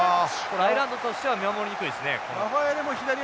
アイルランドとしては見守りにくいですね。